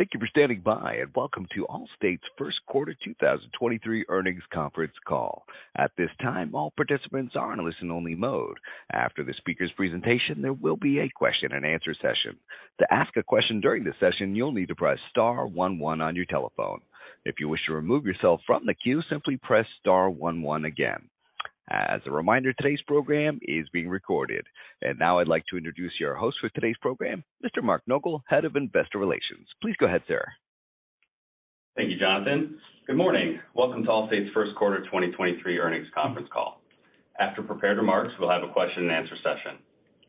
Thank you for standing by, and welcome to Allstate's Q1 2023 earnings conference call. At this time, all participants are in a listen-only mode. After the speaker's presentation, there will be a question and answer session. To ask a question during this session, you'll need to press star one one on your telephone. If you wish to remove yourself from the queue, simply press star one one again. As a reminder, today's program is being recorded. Now I'd like to introduce your host for today's program, Mr. Mark Nogal, Head of Investor Relations. Please go ahead, sir. Thank you, Jonathan. Good morning. Welcome to Allstate's Q1 2023 earnings conference call. After prepared remarks, we'll have a question and answer session.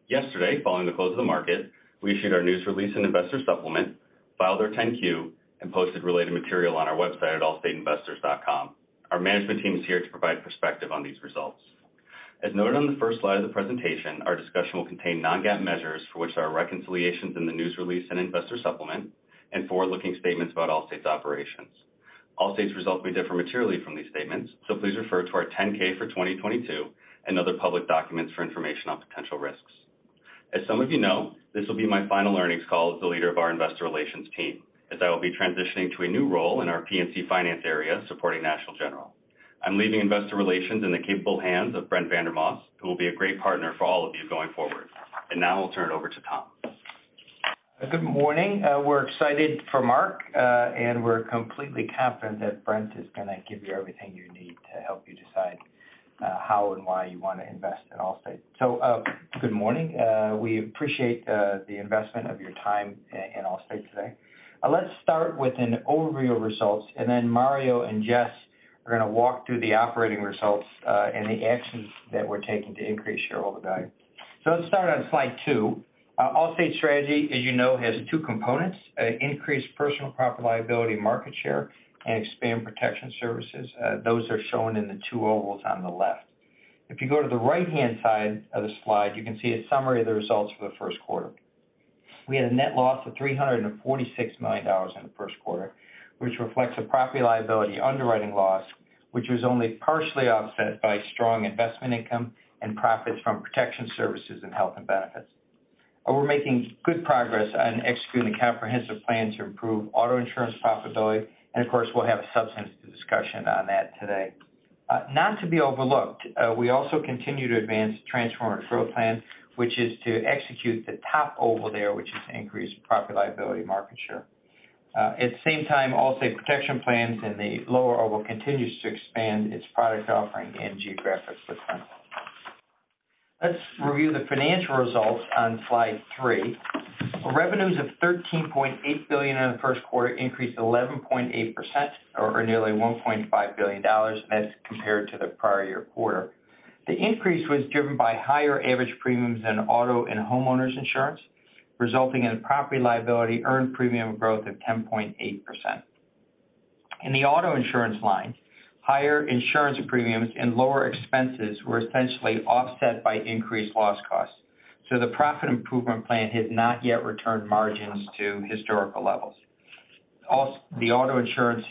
Yesterday, following the close of the market, we issued our news release and investor supplement, filed our Form 10-Q, and posted related material on our website at allstateinvestors.com. Our management team is here to provide perspective on these results. As noted on the first slide of the presentation, our discussion will contain non-GAAP measures for which our reconciliations in the news release and investor supplement and forward-looking statements about Allstate's operations. Allstate's results may differ materially from these statements, so please refer to our Form 10-K for 2022 and other public documents for information on potential risks. As some of you know, this will be my final earnings call as the leader of our investor relations team, as I will be transitioning to a new role in our P&C finance area, supporting National General. I'm leaving investor relations in the capable hands of Brent Vandermause, who will be a great partner for all of you going forward. Now I'll turn it over to Tom. Good morning. We're excited for Mark, and we're completely confident that Brent is gonna give you everything you need to help you decide how and why you wanna invest in Allstate. Good morning. We appreciate the investment of your time in Allstate today. Let's start with an overview of results, and then Mario and Jess are gonna walk through the operating results and the actions that we're taking to increase shareholder value. Let's start on slide two. Our Allstate strategy, as you know, has two components, increase personal property liability market share and expand Protection Services. Those are shown in the two ovals on the left. If you go to the right-hand side of the slide, you can see a summary of the results for the Q1. We had a net loss of $346 million in the Q1, which reflects a Property-Liability underwriting loss, which was only partially offset by strong investment income and profits from Protection Services and Health and Benefits. We're making good progress on executing a comprehensive plan to improve Auto Insurance profitability, and of course, we'll have a substantive discussion on that today. Not to be overlooked, we also continue to advance the Transformative Growth plan, which is to execute the top oval there, which is to increase Property-Liability market share. At the same time, Allstate Protection Plans in the lower oval continues to expand its product offering and geographic footprint. Let's review the financial results on slide three. Revenues of $13.8 billion in the Q1 increased 11.8% or nearly $1.5 billion as compared to the prior year quarter. The increase was driven by higher average premiums in auto and Homeowners Insurance, resulting in a Property-Liability earned premium growth of 10.8%. In the Auto Insurance line, higher insurance premiums and lower expenses were essentially offset by increased loss costs. The profit improvement plan has not yet returned margins to historical levels. The Auto Insurance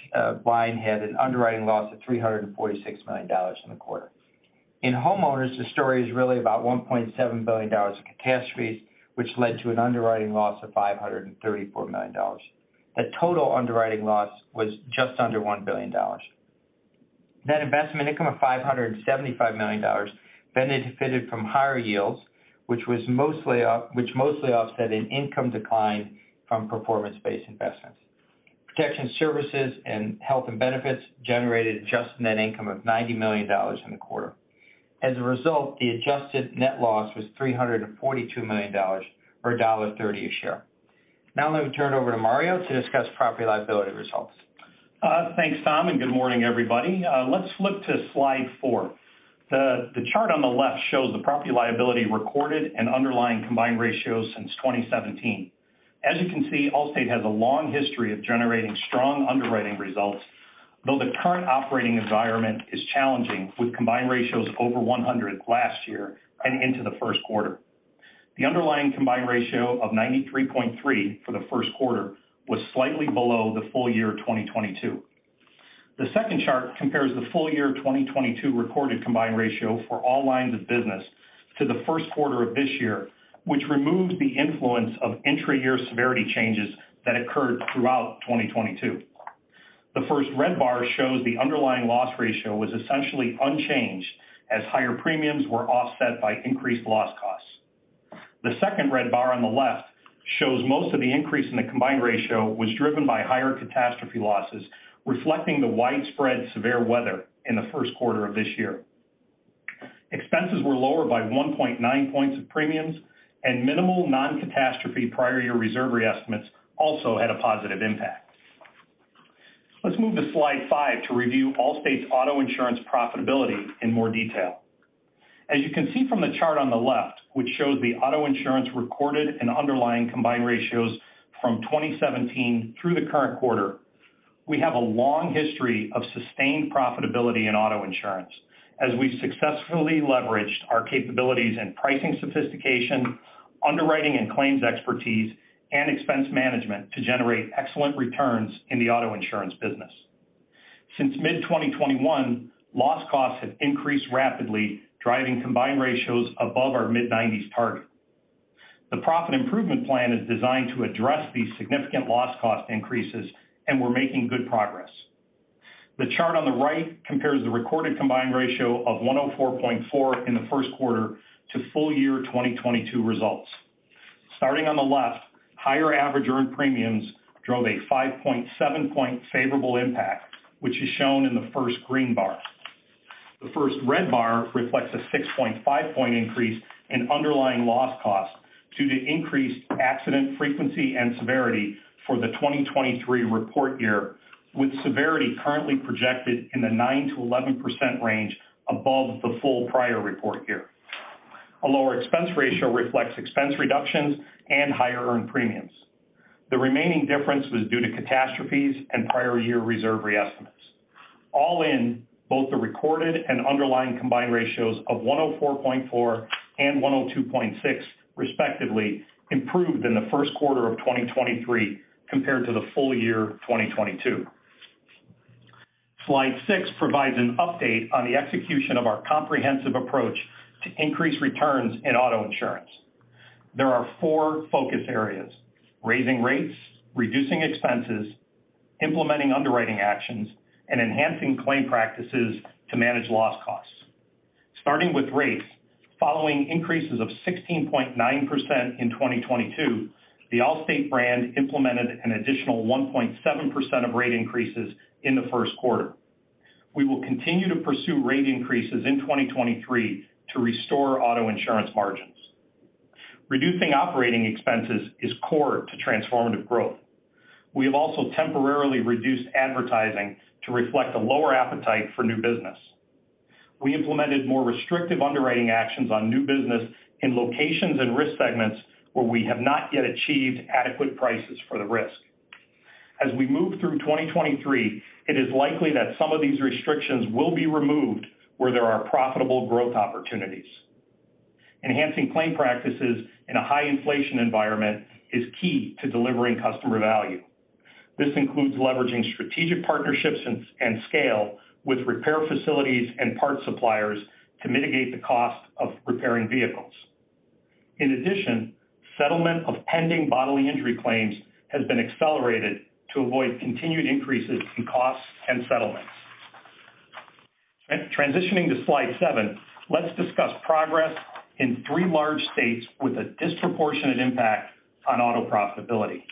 line had an underwriting loss of $346 million in the quarter. In Homeowners, the story is really about $1.7 billion in catastrophes, which led to an underwriting loss of $534 million. The total underwriting loss was just under $1 billion. Net investment income of $575 million benefited from higher yields, which mostly offset an income decline from performance-based investments. Protection Services and Health and Benefits generated adjusted net income of $90 million in the quarter. As a result, the adjusted net loss was $342 million or $1.30 a share. I'm going to turn it over to Mario to discuss Property-Liability results. Thanks, Tom, and good morning, everybody. Let's flip to slide four. The chart on the left shows the Property-Liability recorded and underlying combined ratios since 2017. As you can see, Allstate has a long history of generating strong underwriting results, though the current operating environment is challenging with combined ratios over 100 last year and into the Q1. The underlying combined ratio of 93.3 for the Q1 was slightly below the full year of 2022. The second chart compares the full year of 2022 recorded combined ratio for all lines of business to the Q1 of this year, which removes the influence of intra-year severity changes that occurred throughout 2022. The first red bar shows the underlying loss ratio was essentially unchanged as higher premiums were offset by increased loss costs. The second red bar on the left shows most of the increase in the combined ratio was driven by higher catastrophe losses, reflecting the widespread severe weather in the first quarter of this year. Expenses were lower by 1.9 points of premiums and minimal non-catastrophe prior year reserve re-estimates also had a positive impact. Let's move to slide five to review Allstate's Auto Insurance profitability in more detail. As you can see from the chart on the left, which shows the Auto Insurance recorded and underlying combined ratios from 2017 through the current quarter, we have a long history of sustained profitability in Auto Insurance as we've successfully leveraged our capabilities in pricing sophistication, underwriting and claims expertise, and expense management to generate excellent returns in the Auto Insurance business. Since mid-2021, loss costs have increased rapidly, driving combined ratios above our mid-nineties target. The profit improvement plan is designed to address these significant loss cost increases, and we're making good progress. The chart on the right compares the recorded combined ratio of 104.4 in the Q1 to full-year 2022 results. Starting on the left, higher average earned premiums drove a 5.7 percentage point favorable impact, which is shown in the first green bar. The first red bar reflects a 6.5 percentage point increase in underlying loss costs due to increased accident frequency and severity for the 2023 report year, with severity currently projected in the 9%-11% range above the full prior report year. A lower expense ratio reflects expense reductions and higher earned premiums. The remaining difference was due to catastrophes and prior year reserve re-estimates. All in, both the recorded and underlying combined ratios of 104.4 and 102.6 respectively improved in the Q1 of 2023 compared to the full-year of 2022. Slide six provides an update on the execution of our comprehensive approach to increase returns in Auto Insurance. There are four focus areas: raising rates, reducing expenses, implementing underwriting actions, and enhancing claim practices to manage loss costs. Starting with rates, following increases of 16.9% in 2022, the Allstate brand implemented an additional 1.7% of rate increases in the Q1. We will continue to pursue rate increases in 2023 to restore Auto Insurance margins. Reducing operating expenses is core to Transformative Growth. We have also temporarily reduced advertising to reflect a lower appetite for new business. We implemented more restrictive underwriting actions on new business in locations and risk segments where we have not yet achieved adequate prices for the risk. As we move through 2023, it is likely that some of these restrictions will be removed where there are profitable growth opportunities. Enhancing claim practices in a high inflation environment is key to delivering customer value. This includes leveraging strategic partnerships and scale with repair facilities and parts suppliers to mitigate the cost of repairing vehicles. Settlement of pending bodily injury claims has been accelerated to avoid continued increases in costs and settlements. Transitioning to slide seven, let's discuss progress in three large states with a disproportionate impact on auto profitability.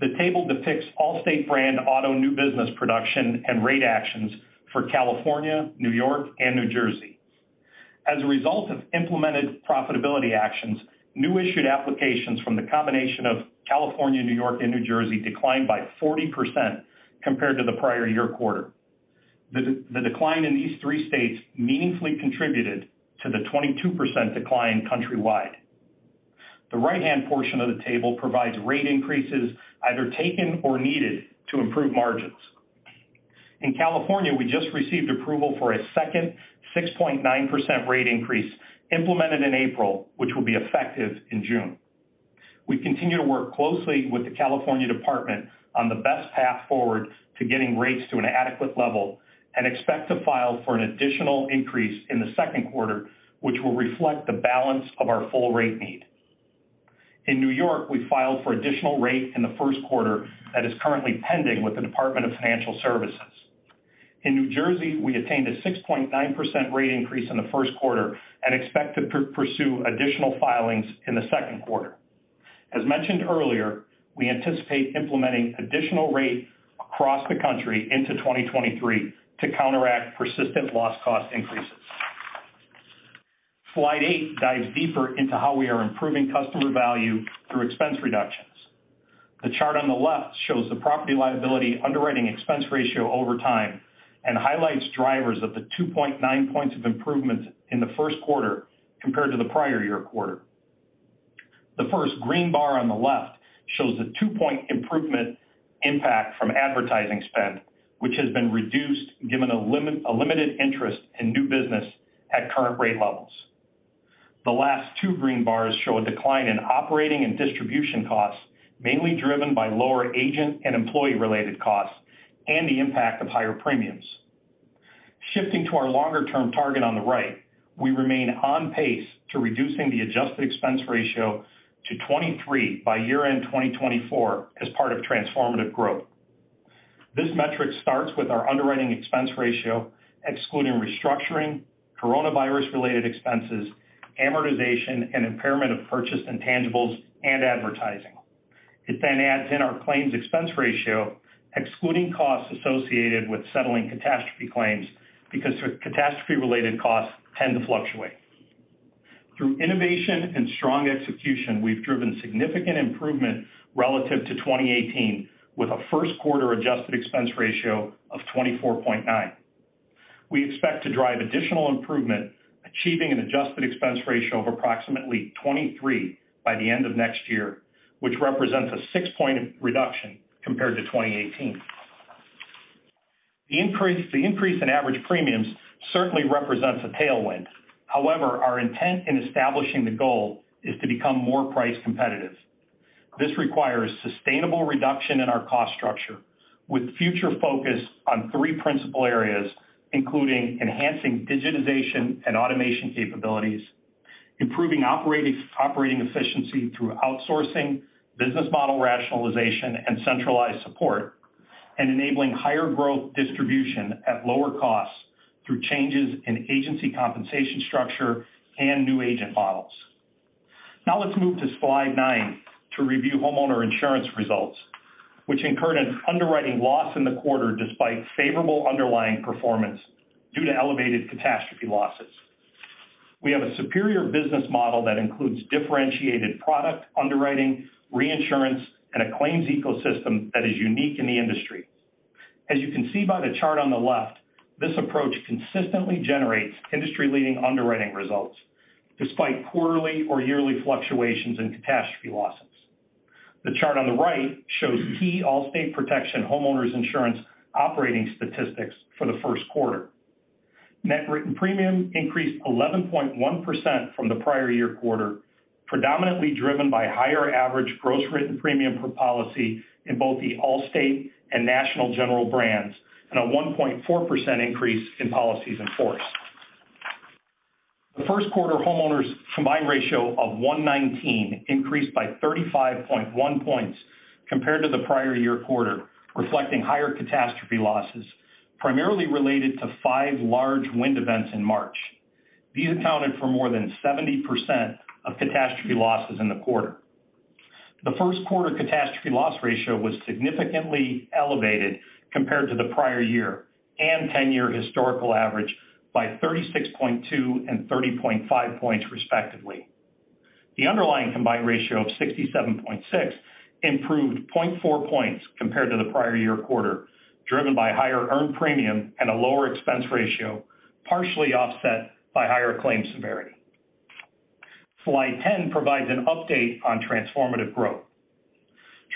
The table depicts Allstate brand auto new business production and rate actions for California, New York, and New Jersey. As a result of implemented profitability actions, new issued applications from the combination of California, New York, and New Jersey declined by 40% compared to the prior year quarter. The decline in these three states meaningfully contributed to the 22% decline countrywide. The right-hand portion of the table provides rate increases either taken or needed to improve margins. In California, we just received approval for a second 6.9% rate increase implemented in April, which will be effective in June. We continue to work closely with the California Department on the best path forward to getting rates to an adequate level and expect to file for an additional increase in the Q2, which will reflect the balance of our full rate need. In New York, we filed for additional rate in the Q1 that is currently pending with the Department of Financial Services. In New Jersey, we attained a 6.9% rate increase in the Q1 and expect to pursue additional filings in the Q2. As mentioned earlier, we anticipate implementing additional rate across the country into 2023 to counteract persistent loss cost increases. Slide eight dives deeper into how we are improving customer value through expense reductions. The chart on the left shows the Property-Liability underwriting expense ratio over time and highlights drivers of the 2.9 points of improvement in the Q1 compared to the prior year quarter. The 1st green bar on the left shows the two-point improvement impact from advertising spend, which has been reduced given a limited interest in new business at current rate levels. The last two green bars show a decline in operating and distribution costs, mainly driven by lower agent and employee-related costs and the impact of higher premiums. Shifting to our longer-term target on the right, we remain on pace to reducing the adjusted expense ratio to 23% by year-end 2024 as part of Transformative Growth. This metric starts with our underwriting expense ratio, excluding restructuring, coronavirus-related expenses, amortization, and impairment of purchased intangibles and advertising. It adds in our claims expense ratio, excluding costs associated with settling catastrophe claims because catastrophe-related costs tend to fluctuate. Through innovation and strong execution, we've driven significant improvement relative to 2018, with a Q1 adjusted expense ratio of 24.9%. We expect to drive additional improvement, achieving an adjusted expense ratio of approximately 23% by the end of next year, which represents a six-point reduction compared to 2018. The increase in average premiums certainly represents a tailwind. Our intent in establishing the goal is to become more price competitive. This requires sustainable reduction in our cost structure with future focus on three principal areas, including enhancing digitization and automation capabilities, improving operating efficiency through outsourcing, business model rationalization, and centralized support, and enabling higher growth distribution at lower costs through changes in agency compensation structure and new agent models. Let's move to slide nine to review homeowner insurance results, which incurred an underwriting loss in the quarter despite favorable underlying performance due to elevated catastrophe losses. We have a superior business model that includes differentiated product underwriting, reinsurance, and a claims ecosystem that is unique in the industry. As you can see by the chart on the left, this approach consistently generates industry-leading underwriting results despite quarterly or yearly fluctuations in catastrophe losses. The chart on the right shows key Allstate Protection Homeowners Insurance operating statistics for the Q1. Net written premium increased 11.1% from the prior year quarter, predominantly driven by higher average gross written premium per policy in both the Allstate and National General brands, and a 1.4% increase in policies in force. The Q1 homeowners combined ratio of 119 increased by 35.1 points compared to the prior year quarter, reflecting higher catastrophe losses, primarily related to five large wind events in March. These accounted for more than 70% of catastrophe losses in the quarter. The Q1 catastrophe loss ratio was significantly elevated compared to the prior year and 10-year historical average by 36.2 and 30.5 points, respectively. The underlying combined ratio of 67.6 improved 0.4 points compared to the prior year quarter, driven by higher earned premium and a lower expense ratio, partially offset by higher claim severity. Slide 10 provides an update on Transformative Growth.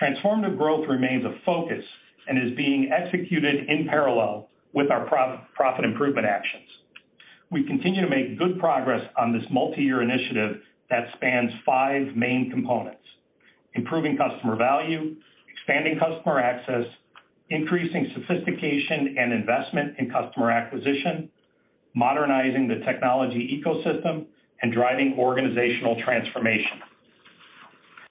Transformative Growth remains a focus and is being executed in parallel with our profit improvement actions. We continue to make good progress on this multiyear initiative that spans five main components: improving customer value, expanding customer access, increasing sophistication and investment in customer acquisition, modernizing the technology ecosystem, and driving organizational transformation.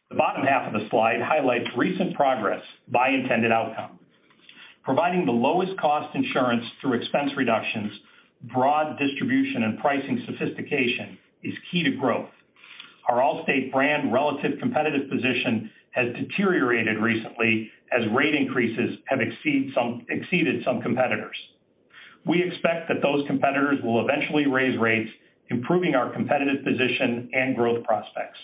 The bottom half of the slide highlights recent progress by intended outcome. Providing the lowest cost insurance through expense reductions, broad distribution and pricing sophistication is key to growth. Our Allstate brand relative competitive position has deteriorated recently as rate increases have exceeded some competitors. We expect that those competitors will eventually raise rates, improving our competitive position and growth prospects.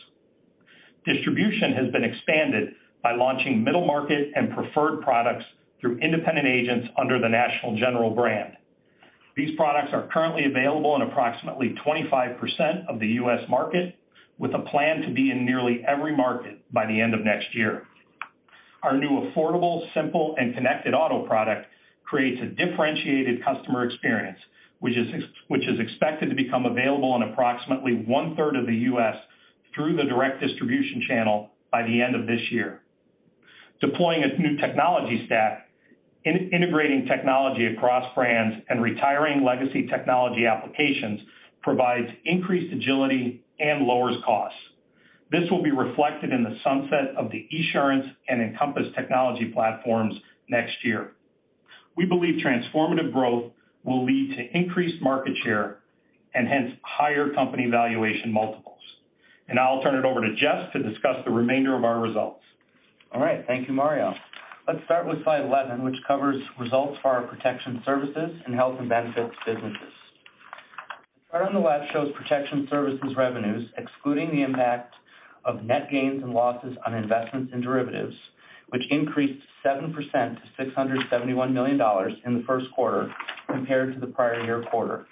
Distribution has been expanded by launching middle market and preferred products through independent agents under the National General brand. These products are currently available in approximately 25% of the U.S. market, with a plan to be in nearly every market by the end of next year. Our new affordable, simple, and connected auto product creates a differentiated customer experience, which is expected to become available in approximately one-third of the U.S. through the direct distribution channel by the end of this year. Deploying a new technology stack, integrating technology across brands, and retiring legacy technology applications provides increased agility and lowers costs. This will be reflected in the sunset of the Esurance and Encompass technology platforms next year. We believe Transformative Growth will lead to increased market share and hence higher company valuation multiples. Now I'll turn it over to Jess to discuss the remainder of our results. All right. Thank you, Mario. Let's start with slide 11, which covers results for our Protection Services and Health and Benefits businesses. The chart on the left shows Protection Services revenues, excluding the impact of net gains and losses on investments and derivatives, which increased 7% to $671 million in the Q1 compared to the prior year quarter.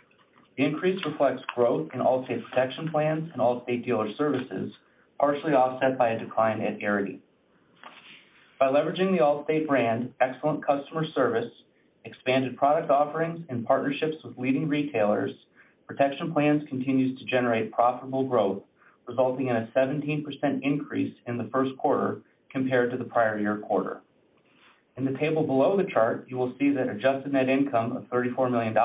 The increase reflects growth in Allstate Protection Plans and Allstate Dealer Services, partially offset by a decline at Arity. By leveraging the Allstate brand, excellent customer service, expanded product offerings, and partnerships with leading retailers, Protection Plans continues to generate profitable growth, resulting in a 17% increase in the Q1 compared to the prior year quarter. In the table below the chart, you will see that adjusted net income of $34 million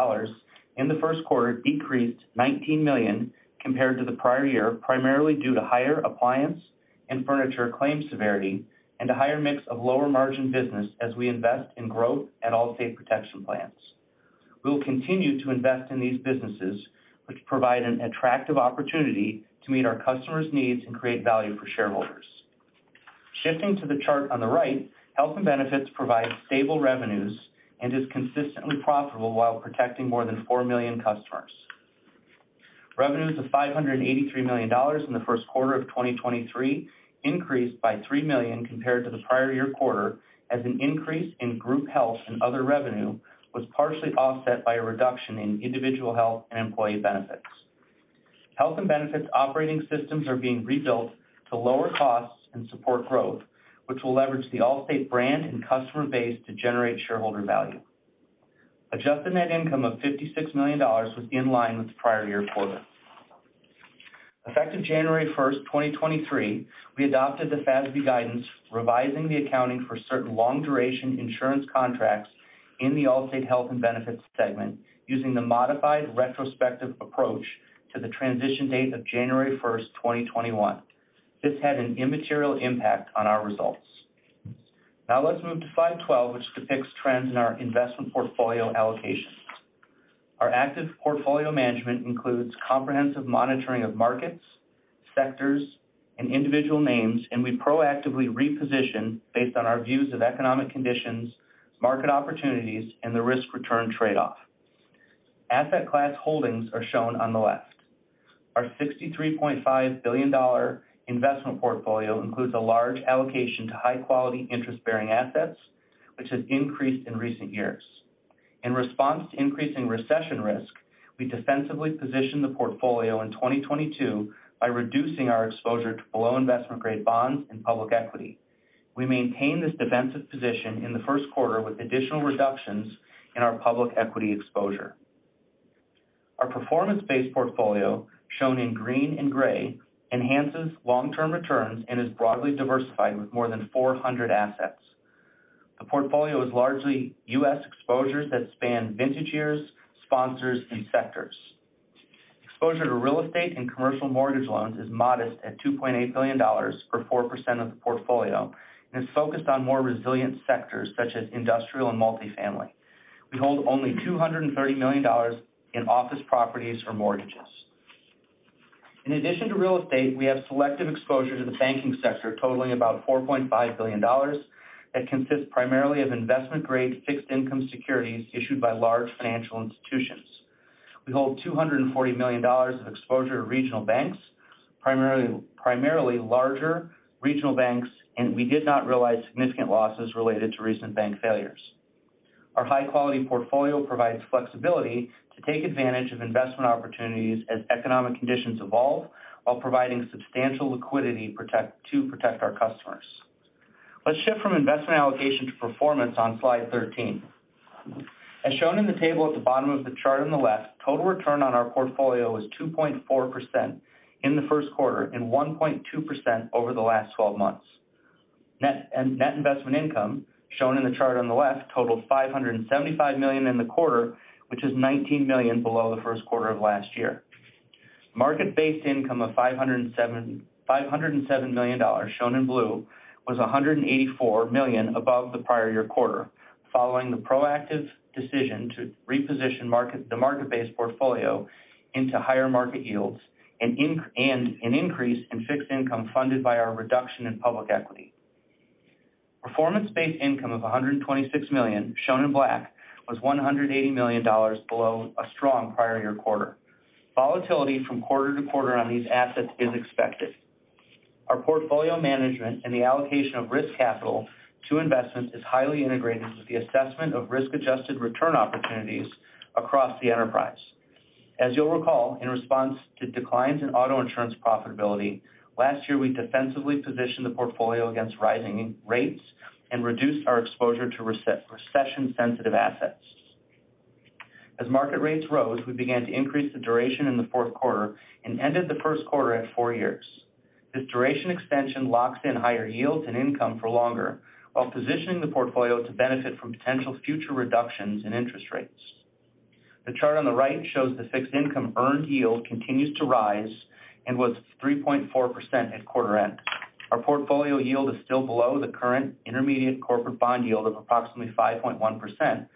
in the Q1 decreased $19 million compared to the prior year, primarily due to higher appliance and furniture claim severity and a higher mix of lower margin business as we invest in growth at Allstate Protection Plans. We will continue to invest in these businesses, which provide an attractive opportunity to meet our customers' needs and create value for shareholders. Shifting to the chart on the right, Health and Benefits provides stable revenues and is consistently profitable while protecting more than 4 million customers. Revenues of $583 million in the Q1 of 2023 increased by $3 million compared to the prior year quarter as an increase in group health and other revenue was partially offset by a reduction in individual health and employee benefits. Health and Benefits operating systems are being rebuilt to lower costs and support growth, which will leverage the Allstate brand and customer base to generate shareholder value. Adjusted net income of $56 million was in line with the prior year quarter. Effective January 1, 2023, we adopted the FASB guidance, revising the accounting for certain long-duration insurance contracts in the Allstate Health and Benefits segment using the modified retrospective approach to the transition date of January 1, 2021. This had an immaterial impact on our results. Now let's move to slide 12, which depicts trends in our investment portfolio allocation. Our active portfolio management includes comprehensive monitoring of markets, sectors, and individual names, and we proactively reposition based on our views of economic conditions, market opportunities, and the risk-return trade-off. Asset class holdings are shown on the left. Our $63.5 billion investment portfolio includes a large allocation to high-quality interest-bearing assets, which has increased in recent years. In response to increasing recession risk, we defensively positioned the portfolio in 2022 by reducing our exposure to below investment-grade bonds and public equity. We maintain this defensive position in the Q1 with additional reductions in our public equity exposure. Our performance-based portfolio, shown in green and gray, enhances long-term returns and is broadly diversified with more than 400 assets. The portfolio is largely U.S. exposures that span vintage years, sponsors, and sectors. Exposure to real estate and commercial mortgage loans is modest at $2.8 billion, or 4% of the portfolio, and is focused on more resilient sectors such as industrial and multifamily. We hold only $230 million in office properties or mortgages. In addition to real estate, we have selective exposure to the banking sector totaling about $4.5 billion that consists primarily of investment-grade fixed income securities issued by large financial institutions. We hold $240 million of exposure to regional banks, primarily larger regional banks. We did not realize significant losses related to recent bank failures. Our high-quality portfolio provides flexibility to take advantage of investment opportunities as economic conditions evolve while providing substantial liquidity to protect our customers. Let's shift from investment allocation to performance on slide 13. As shown in the table at the bottom of the chart on the left, total return on our portfolio was 2.4% in the Q1 and 1.2% over the last 12 months. Net, net investment income, shown in the chart on the left, totaled $575 million in the quarter, which is $19 million below the Q1 of last year. Market-based income of $507 million, shown in blue, was $184 million above the prior year quarter, following the proactive decision to reposition the market-based portfolio into higher market yields and an increase in fixed income funded by our reduction in public equity. Performance-based income of $126 million, shown in black, was $180 million below a strong prior year quarter. Volatility from quarter-to-quarter on these assets is expected. Our portfolio management and the allocation of risk capital to investments is highly integrated with the assessment of risk-adjusted return opportunities across the enterprise. As you'll recall, in response to declines in Auto Insurance profitability, last year we defensively positioned the portfolio against rising rates and reduced our exposure to recession-sensitive assets. As market rates rose, we began to increase the duration in the Q4 and ended the Q1 at four years. This duration extension locks in higher yields and income for longer while positioning the portfolio to benefit from potential future reductions in interest rates. The chart on the right shows the fixed income earned yield continues to rise and was 3.4% at quarter end. Our portfolio yield is still below the current intermediate corporate bond yield of approximately 5.1%,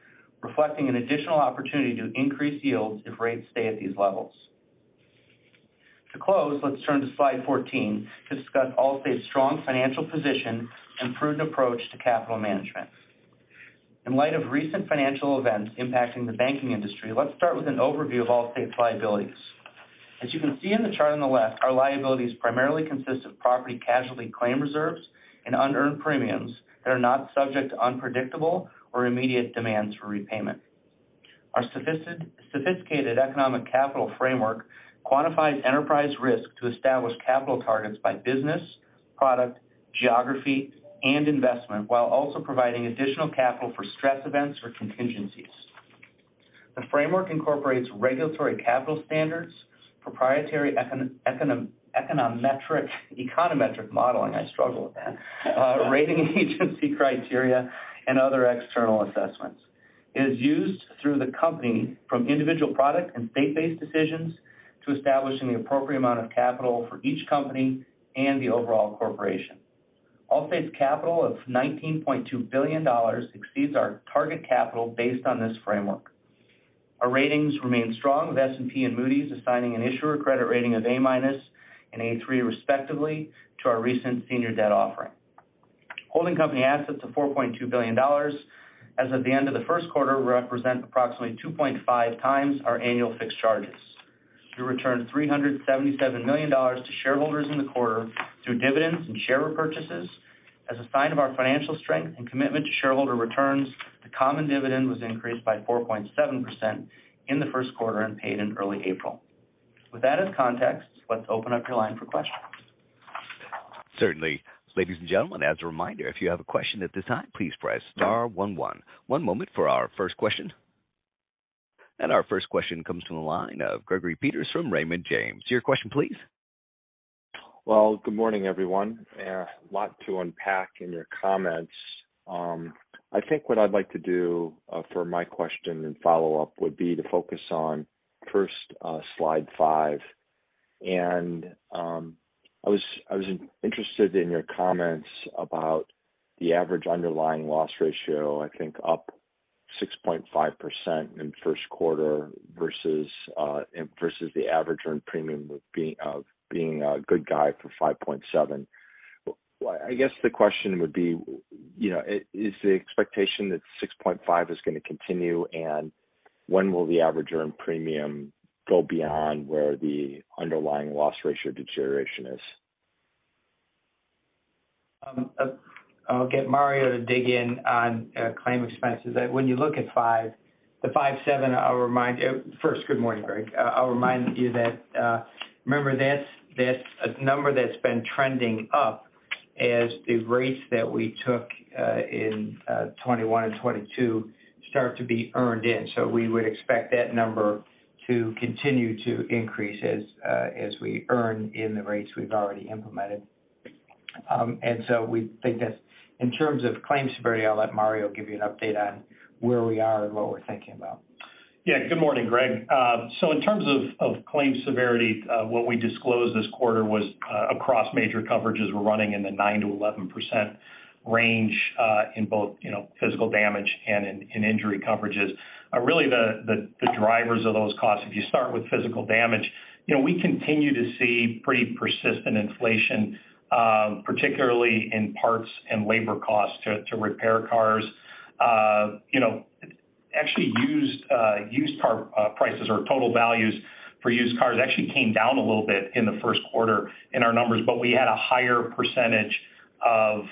reflecting an additional opportunity to increase yields if rates stay at these levels. To close, let's turn to slide 14 to discuss Allstate's strong financial position and prudent approach to capital management. In light of recent financial events impacting the banking industry, let's start with an overview of Allstate's liabilities. As you can see in the chart on the left, our liabilities primarily consist of property casualty claim reserves and unearned premiums that are not subject to unpredictable or immediate demands for repayment. Our sophisticated economic capital framework quantifies enterprise risk to establish capital targets by business, product, geography, and investment while also providing additional capital for stress events or contingencies. The framework incorporates regulatory capital standards, proprietary econometric modeling, I struggle with that, rating agency criteria, and other external assessments. It is used through the company from individual product and state-based decisions to establishing the appropriate amount of capital for each company and the overall corporation. Allstate's capital of $19.2 billion exceeds our target capital based on this framework. Our ratings remain strong, with S&P and Moody's assigning an issuer credit rating of A- and A3 respectively to our recent senior debt offering. Holding company assets of $4.2 billion as of the end of the Q1 represent approximately 2.5x our annual fixed charges. We returned $377 million to shareholders in the quarter through dividends and share repurchases. As a sign of our financial strength and commitment to shareholder returns, the common dividend was increased by 4.7% in the Q1 and paid in early April. With that as context, let's open up your line for questions. Certainly. Ladies and gentlemen, as a reminder, if you have a question at this time, please press star one one. One moment for our first question. Our first question comes from the line of Gregory Peters from Raymond James. Your question please. Well, good morning, everyone. A lot to unpack in your comments. I think what I'd like to do for my question and follow-up would be to focus on first slide five. I was interested in your comments about the average underlying loss ratio, I think up 6.5% in Q1 versus the average earned premium with being a good guide for 5.7%. I guess the question would be, you know, is the expectation that 6.5% is going to continue, and when will the average earned premium go beyond where the underlying loss ratio deterioration is? I'll get Mario to dig in on claim expenses. When you look at five, the 5.7 I'll remind. First, good morning, Greg. I'll remind you that, remember, that's a number that's been trending up as the rates that we took in 2021 and 2022 start to be earned in. We would expect that number to continue to increase as we earn in the rates we've already implemented. We think that's. In terms of claims severity, I'll let Mario give you an update on where we are and what we're thinking about. Yeah, good morning, Greg. In terms of claims severity, what we disclosed this quarter was, across major coverages, we're running in the 9%-11% range, in both, you know, physical damage and in injury coverages. Really the, the drivers of those costs, if you start with physical damage, you know, we continue to see pretty persistent inflation, particularly in parts and labor costs to repair cars. You know, actually used car, prices or total values for used cars actually came down a little bit in the Q1 in our numbers, but we had a higher percentage of,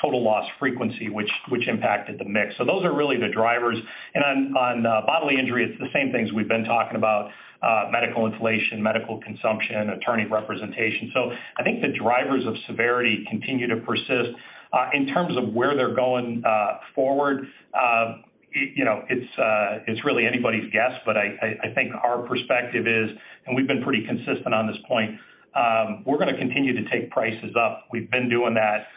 total loss frequency, which impacted the mix. Those are really the drivers. On, on, bodily injury, it's the same things we've been talking about, medical inflation, medical consumption, attorney representation. I think the drivers of severity continue to persist. In terms of where they're going forward, you know, it's really anybody's guess, but I think our perspective is, and we've been pretty consistent on this point, we're going to continue to take prices up. We've been doing that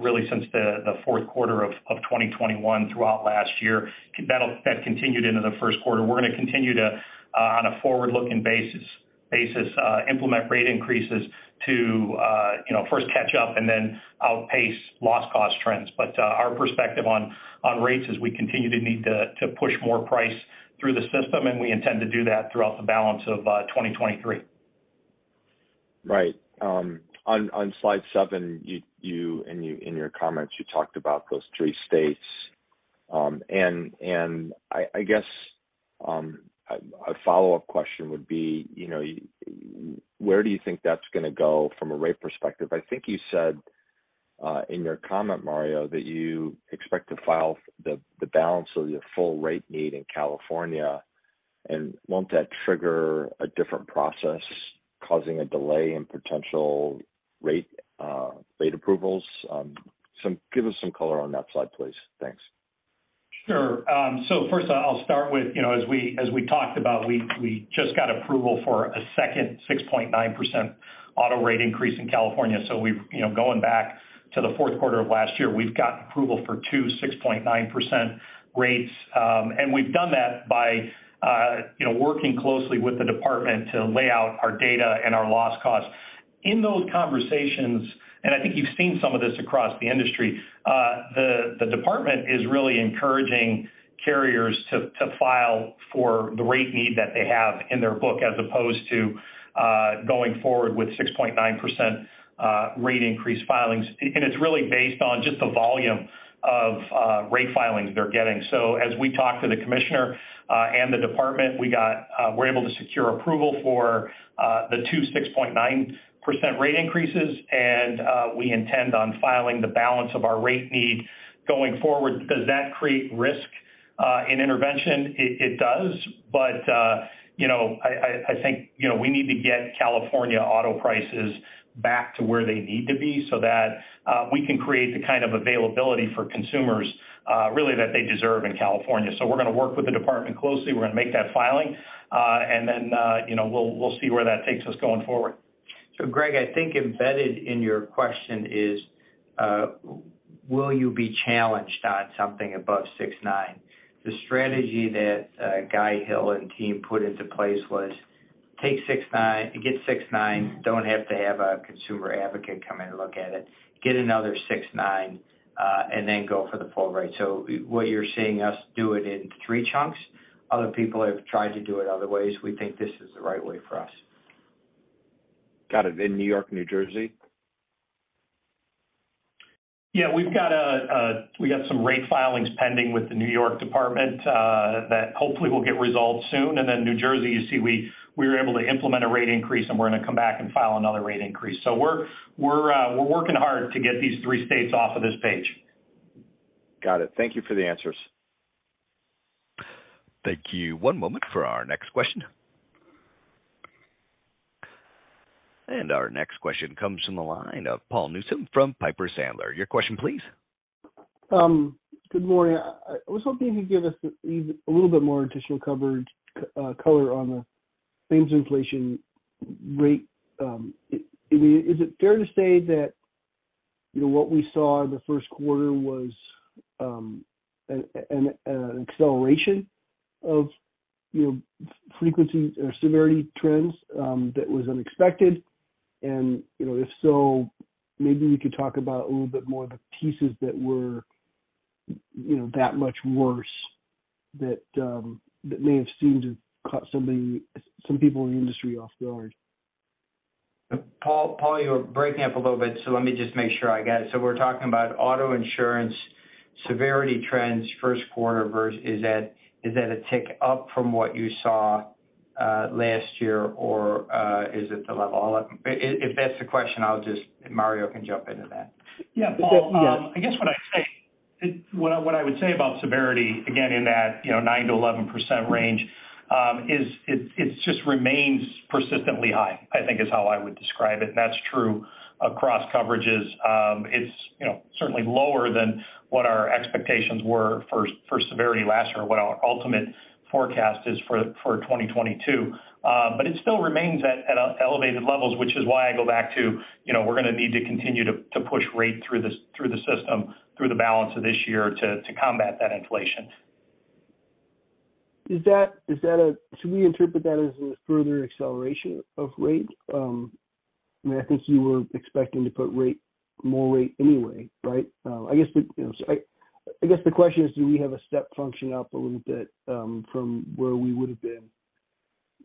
really since the Q4 of 2021 throughout last year. That continued into the Q1. We're going to continue to on a forward-looking basis implement rate increases to, you know, first catch up and then outpace loss cost trends. Our perspective on rates is we continue to need to push more price through the system, and we intend to do that throughout the balance of 2023. Right. On slide seven, you, in your comments, you talked about those three states. I guess, a follow-up question would be, you know, where do you think that's going to go from a rate perspective? I think you said, in your comment, Mario, that you expect to file the balance of your full rate need in California, and won't that trigger a different process causing a delay in potential rate approvals? Give us some color on that slide, please. Thanks. Sure. First I'll start with, you know, as we talked about, we just got approval for a second 6.9% auto rate increase in California. We've, you know, going back to the Q4 of last year, we've got approval for two 6.9% rates. And we've done that by, you know, working closely with the department to lay out our data and our loss costs. In those conversations, and I think you've seen some of this across the industry, the department is really encouraging carriers to file for the rate need that they have in their book as opposed to going forward with 6.9% rate increase filings. It's really based on just the volume of rate filings they're getting. As we talk to the commissioner and the department, we got, we're able to secure approval for the 26.9% rate increases, and we intend on filing the balance of our rate need going forward. Does that create risk in intervention? It, it does. You know, I think, you know, we need to get California auto prices back to where they need to be so that we can create the kind of availability for consumers really that they deserve in California. We're going to work with the department closely. We're going to make that filing, and then, you know, we'll see where that takes us going forward. Greg, I think embedded in your question is, will you be challenged on something above 6.9? The strategy that Guy Hill and team put into place was take 6.9, get 6.9. Don't have to have a consumer advocate come in and look at it. Get another 6.9. Go for the full rate. What you're seeing us do it in three chunks, other people have tried to do it other ways. We think this is the right way for us. Got it. In New York, New Jersey? Yeah. We've got some rate filings pending with the New York Department, that hopefully will get resolved soon. New Jersey, you see we were able to implement a rate increase, and we're going to come back and file another rate increase. We're working hard to get these three states off of this page. Got it. Thank you for the answers. Thank you. One moment for our next question. Our next question comes from the line of Paul Newsome from Piper Sandler. Your question please. Good morning. I was hoping you could give us a little bit more additional color on the claims inflation rate. Is it fair to say that, you know, what we saw in the Q1 was an acceleration of, you know, frequency or severity trends that was unexpected? If so, maybe you could talk about a little bit more of the pieces that were, you know, that much worse that may have seemed to caught some people in the industry off guard. Paul, you're breaking up a little bit, so let me just make sure I get it. We're talking about Auto Insurance severity trends Q1 versus. Is that a tick up from what you saw last year or is it the level? If that's the question, I'll just, Mario can jump into that. Yeah, Paul, I guess what I would say about severity again in that, you know, 9%-11% range, it just remains persistently high, I think is how I would describe it. That's true across coverages. It's, you know, certainly lower than what our expectations were for severity last year or what our ultimate forecast is for 2022. But it still remains at elevated levels, which is why I go back to, you know, we're gonna need to continue to push rate through this, through the system, through the balance of this year to combat that inflation. Should we interpret that as a further acceleration of rate? I mean I think you were expecting to put more rate anyway, right? I guess you know I guess the question is, do we have a step function up a little bit, from where we would have been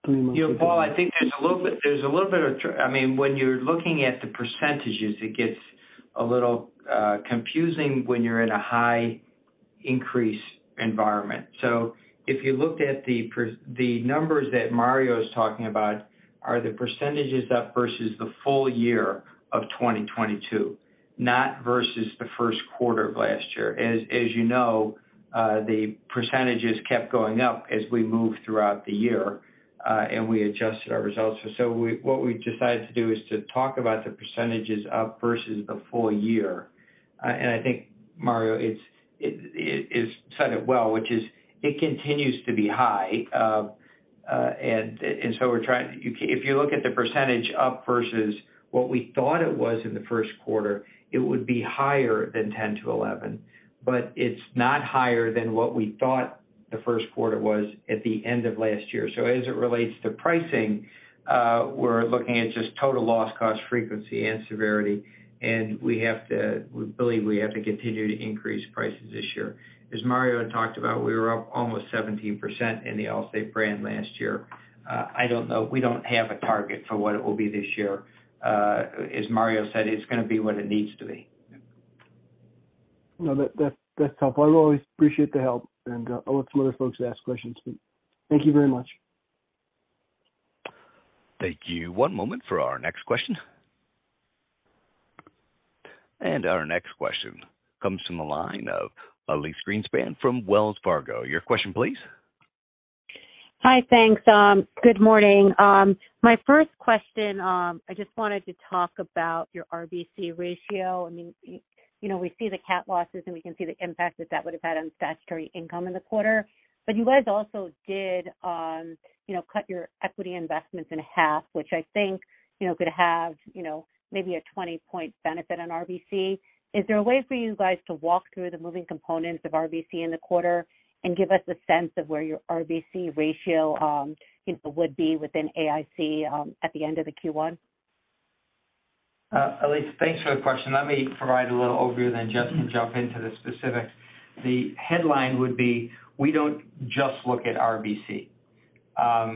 three months ago? You know, Paul, I think there's a little bit, there's a little bit of I mean, when you're looking at the percentages, it gets a little confusing when you're in a high increase environment. If you looked at The numbers that Mario is talking about are the percentages up versus the full year of 2022, not versus the Q1 of last year. As you know, the percentages kept going up as we moved throughout the year, and we adjusted our results. What we decided to do is to talk about the percentages up versus the full year. I think Mario, he has said it well, which is it continues to be high. So we're trying. If you look at the percentage up versus what we thought it was in the Q1, it would be higher than 10%-11%. It's not higher than what we thought the Q1 was at the end of last year. As it relates to pricing, we're looking at just total loss cost, frequency and severity, and we believe we have to continue to increase prices this year. As Mario had talked about, we were up almost 17% in the Allstate brand last year. I don't know. We don't have a target for what it will be this year. As Mario said, it's gonna be what it needs to be. No, that's helpful. I always appreciate the help, and I'll let some other folks ask questions too. Thank you very much. Thank you. One moment for our next question. Our next question comes from the line of Elyse Greenspan from Wells Fargo. Your question please. Hi. Thanks. Good morning. My first question, I just wanted to talk about your RBC ratio. I mean, you know, we see the cat losses, and we can see the impact that that would have had on statutory income in the quarter. You guys also did, you know, cut your equity investments in half, which I think, you know, could have, you know, maybe a 20-point benefit on RBC. Is there a way for you guys to walk through the moving components of RBC in the quarter and give us a sense of where your RBC ratio, you know, would be within AIC at the end of the Q1? Elyse, thanks for the question. Let me provide a little overview, then Jess can jump into the specifics. The headline would be, we don't just look at RBC. As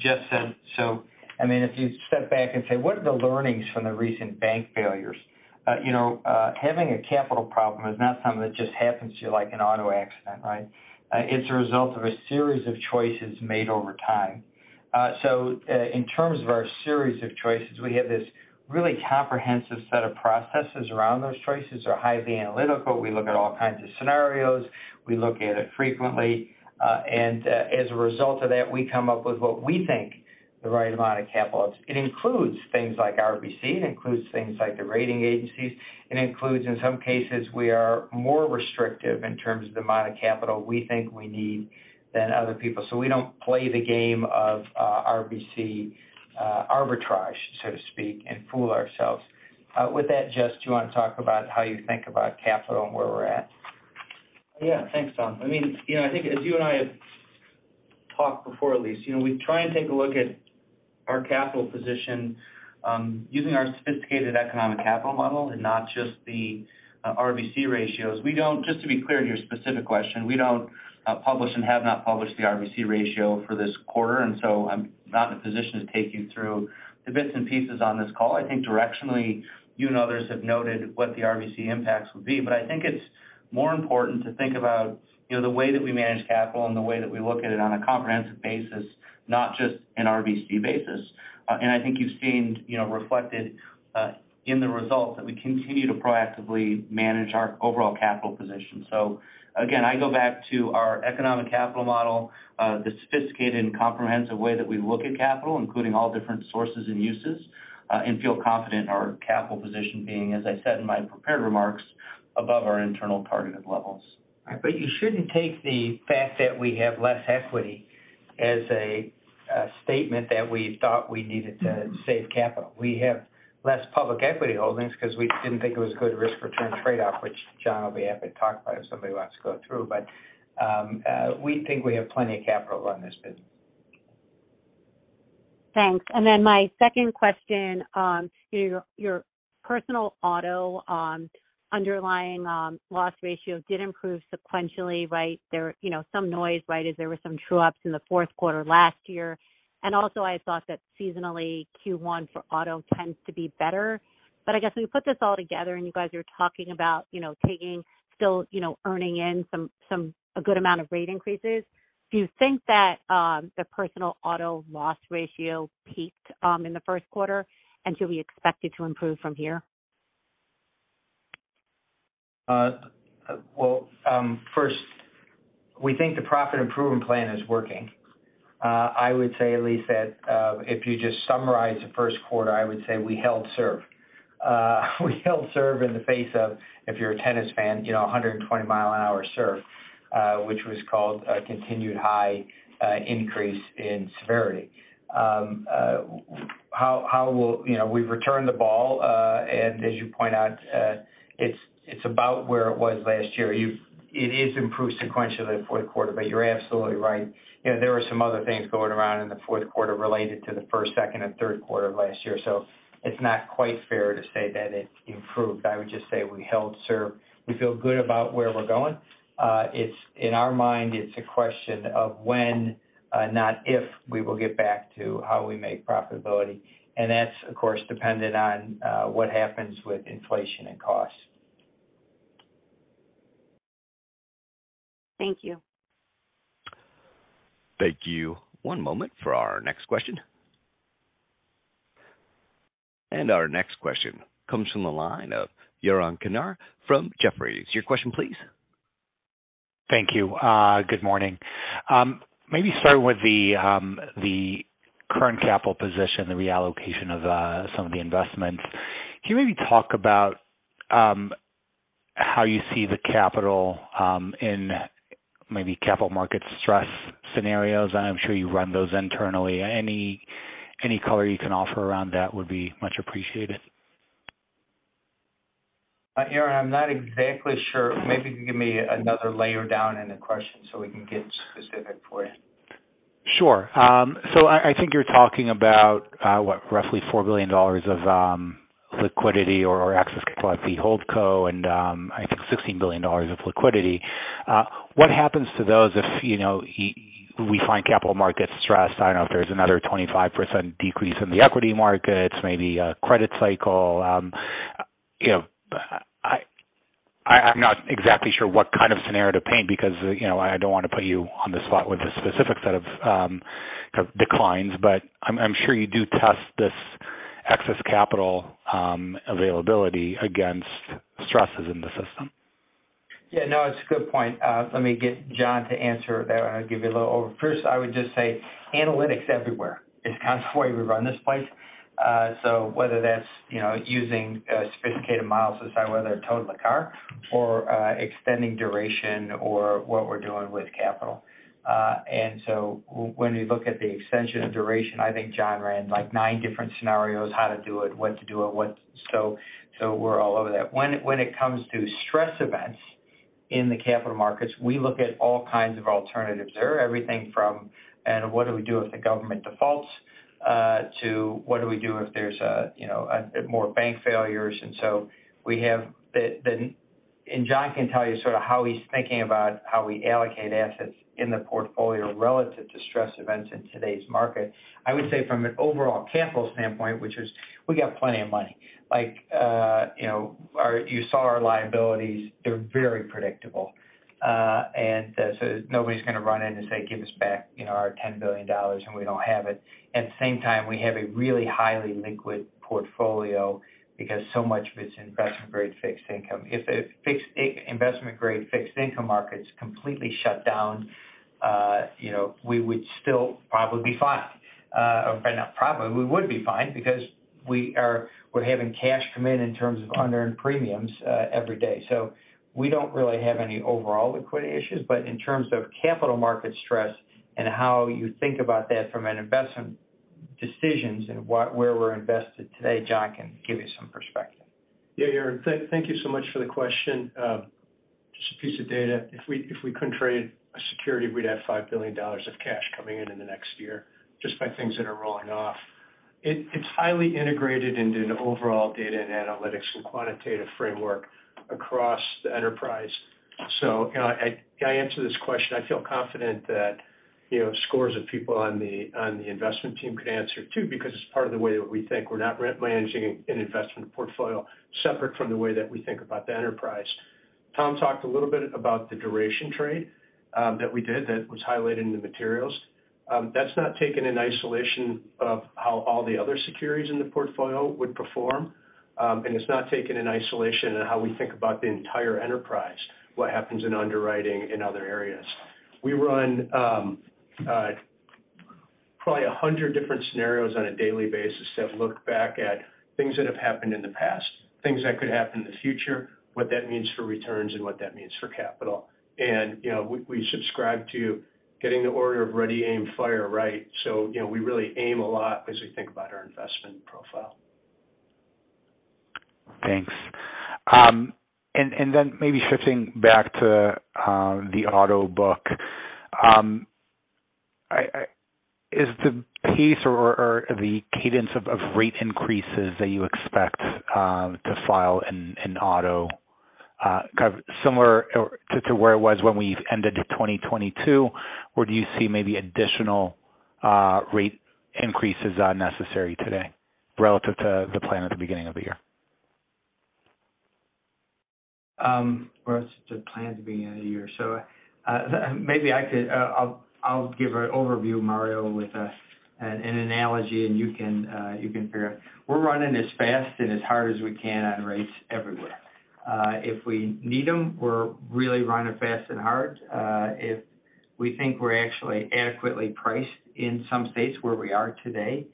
Jess said so, I mean, if you step back and say, what are the learnings from the recent bank failures? you know, having a capital problem is not something that just happens to you like an auto accident, right? It's a result of a series of choices made over time. In terms of our series of choices, we have this really comprehensive set of processes around those choices, are highly analytical. We look at all kinds of scenarios. We look at it frequently. As a result of that, we come up with what we think the right amount of capital is. It includes things like RBC, it includes things like the rating agencies. It includes, in some cases, we are more restrictive in terms of the amount of capital we think we need than other people. We don't play the game of RBC arbitrage, so to speak, and fool ourselves. With that, Jeff, do you want to talk about how you think about capital and where we're at? Yeah. Thanks, Tom. I mean, you know, I think as you and I have Talked before, Elyse. You know, we try and take a look at our capital position, using our sophisticated economic capital model and not just the RBC ratios. Just to be clear to your specific question, we don't publish and have not published the RBC ratio for this quarter. I'm not in a position to take you through the bits and pieces on this call. I think directionally, you and others have noted what the RBC impacts would be, but I think it's more important to think about, you know, the way that we manage capital and the way that we look at it on a comprehensive basis, not just an RBC basis. I think you've seen, you know, reflected in the results that we continue to proactively manage our overall capital position. Again, I go back to our economic capital model, the sophisticated and comprehensive way that we look at capital, including all different sources and uses, and feel confident in our capital position being, as I said in my prepared remarks, above our internal targeted levels. You shouldn't take the fact that we have less equity as a statement that we thought we needed to save capital. We have less public equity holdings because we didn't think it was a good risk-return trade off, which John will be happy to talk about if somebody wants to go through. We think we have plenty of capital to run this business. Thanks. Then my second question, you know, your personal auto underlying loss ratio did improve sequentially, right? There, you know, some noise, right, as there were some true ups in the Q4 last year. I thought that seasonally Q1 for auto tends to be better. I guess when you put this all together and you guys are talking about, you know, taking still, you know, earning in some a good amount of rate increases, do you think that the personal auto loss ratio peaked in the Q1, and should we expect it to improve from here? Well, first, we think the profit improvement plan is working. I would say, Elyse, that if you just summarize the Q1, I would say we held serve. We held serve in the face of, if you're a tennis fan, you know, a 120 mile an hour serve, which was called a continued high increase in severity. How will you know, we've returned the ball, and as you point out, it's about where it was last year. It is improved sequentially in the Q4, but you're absolutely right. You know, there were some other things going around in the Q4 related to the first, second, and Q3 of last year. It's not quite fair to say that it improved. I would just say we held serve. We feel good about where we're going. It's, in our mind, it's a question of when, not if we will get back to how we make profitability. That's, of course, dependent on what happens with inflation and costs. Thank you. Thank you. One moment for our next question. Our next question comes from the line of Yaron Kinar from Jefferies. Your question please. Thank you. Good morning. Maybe start with the current capital position, the reallocation of some of the investments. Can you maybe talk about how you see the capital in maybe capital market stress scenarios? I'm sure you run those internally. Any color you can offer around that would be much appreciated. Yaron, I'm not exactly sure. Maybe give me another layer down in the question so we can get specific for you. Sure. I think you're talking about, what, roughly $4 billion of liquidity or excess capital at the hold co and, I think $16 billion of liquidity. What happens to those if, you know, we find capital markets stressed? I don't know if there's another 25% decrease in the equity markets, maybe a credit cycle. You know, I'm not exactly sure what kind of scenario to paint because, you know, I don't want to put you on the spot with a specific set of declines, but I'm sure you do test this excess capital availability against stresses in the system. Yeah, no, it's a good point. Let me get John to answer that. First, I would just say analytics everywhere is kind of the way we run this place. Whether that's, you know, using sophisticated models to decide whether to total a car or extending duration or what we're doing with capital. When we look at the extension of duration, I think John ran like nine different scenarios, how to do it, what to do. We're all over that. When it comes to stress events in the capital markets, we look at all kinds of alternatives. They're everything from and what do we do if the government defaults to what do we do if there's a, you know, more bank failures. We have the. John can tell you sort of how he's thinking about how we allocate assets in the portfolio relative to stress events in today's market. I would say from an overall capital standpoint, which is we got plenty of money. You know, our, you saw our liabilities, they're very predictable. Nobody's gonna run in and say, "Give us back, you know, our $10 billion," and we don't have it. At the same time, we have a really highly liquid portfolio because so much of it's investment grade fixed income. If investment grade fixed income markets completely shut down, you know, we would still probably be fine. Or not probably, we would be fine because we're having cash come in in terms of unearned premiums every day. We don't really have any overall liquidity issues. In terms of capital market stress and how you think about that from an investment decisions and what, where we're invested today, John can give you some perspective. Yeah, Yaron, thank you so much for the question. Just a piece of data. If we couldn't trade a security, we'd have $5 billion of cash coming in in the next year just by things that are rolling off. It's highly integrated into an overall data and analytics and quantitative framework across the enterprise. You know, I answer this question, I feel confident that, you know, scores of people on the investment team could answer, too, because it's part of the way that we think. We're not re-managing an investment portfolio separate from the way that we think about the enterprise. Tom talked a little bit about the duration trade that we did that was highlighted in the materials. That's not taken in isolation of how all the other securities in the portfolio would perform. It's not taken in isolation in how we think about the entire enterprise, what happens in underwriting in other areas. We run probably 100 different scenarios on a daily basis that look back at things that have happened in the past, things that could happen in the future, what that means for returns and what that means for capital. You know, we subscribe to getting the order of ready, aim, fire right. You know, we really aim a lot as we think about our investment profile. Thanks. Maybe shifting back to, the auto book. Is the pace or the cadence of rate increases that you expect to file in auto kind of similar or to where it was when we ended 2022, or do you see maybe additional rate increases are necessary today relative to the plan at the beginning of the year? Well, it's the plan to be in a year. Maybe I could, I'll give an overview, Mario, with an analogy, and you can figure out. We're running as fast and as hard as we can on rates everywhere. If we need them, we're really running fast and hard. If we think we're actually adequately priced in some states where we are today,